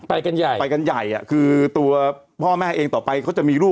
ไปกันใหญ่คือตัวพ่อแม่เองต่อไปเขาจะมีลูก